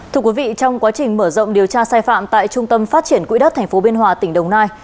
thưa quý vị trong quá trình mở rộng điều tra sai phạm tại trung tâm phát triển quỹ đất tp biên hòa tỉnh đồng nai